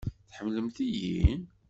Tḥemmlemt-iyi?